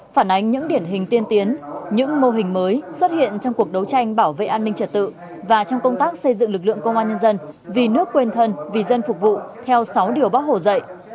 phản ánh những điển hình tiên tiến những mô hình mới xuất hiện trong cuộc đấu tranh bảo vệ an ninh trật tự và trong công tác xây dựng lực lượng công an nhân dân vì nước quên thân vì dân phục vụ theo sáu điều bác hồ dạy